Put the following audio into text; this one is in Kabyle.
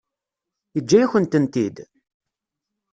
Yeǧǧa-yakent-tent-id?